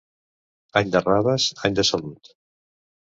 Any de raves, any de salut.